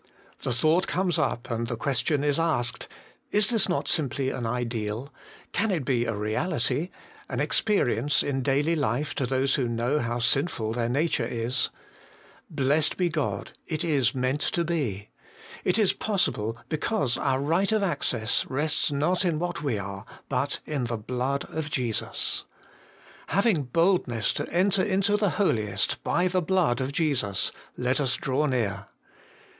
The thought comes up, and the question is asked : Is this not simply an ideal ? can it be a reality, an experience in daily life to those who know how sinful their nature is ? Blessed be God ! it is meant to be. It is possible, because our right of access rests not in what we are, but in the blood of Jesus. ' Having boldness to enter into the Holiest by the blood of Jesus, let us draw near.'